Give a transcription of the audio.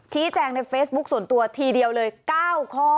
ชี้แจงในเฟซบุ๊คส่วนตัวทีเดียวเลย๙ข้อ